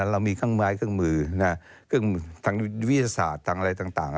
เรามีเครื่องไม้เครื่องมือเครื่องมือทางวิทยาศาสตร์ทางอะไรต่าง